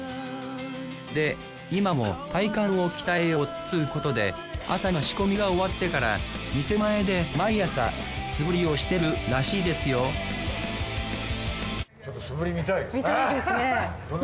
で今も体幹を鍛えようっつうことで朝の仕込みが終わってから店前で毎朝素振りをしてるらしいですよ見たいですね。